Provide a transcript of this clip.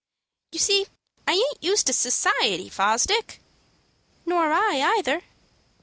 "You see I aint used to society, Fosdick." "Nor I either."